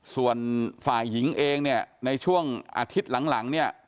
ส่วนฝ่ายหญิงเองเนี่ยในช่วงอาทิตย์หลังเนี่ย